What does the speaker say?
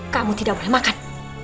kamu tidak boleh makan